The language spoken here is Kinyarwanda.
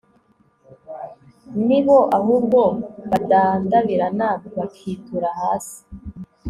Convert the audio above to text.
ni bo ahubwo badandabirana, bakitura hasi